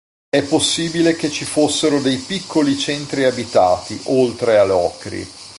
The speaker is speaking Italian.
È possibile che ci fossero dei piccoli centri abitati, oltre a Locri.